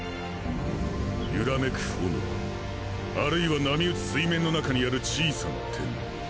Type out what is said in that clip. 揺らめく炎或いは波打つ水面の中にある小さな点。